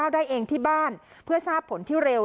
ได้เองที่บ้านเพื่อทราบผลที่เร็ว